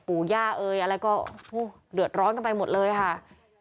ปู่ย่าเอ่ยอะไรก็เดือดร้อนกันไปหมดเลยค่ะ